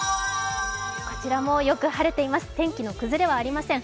こちらもよく晴れています、天気の崩れはありません。